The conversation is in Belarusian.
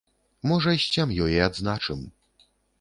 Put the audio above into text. Можа, з сям'ёй і адзначым.